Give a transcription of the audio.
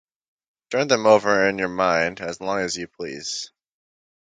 Turn them over in your mind as long as you please.